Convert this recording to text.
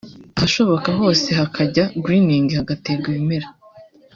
ahashoboka hose hakajya ‘greening’ [hagaterwa ibimera]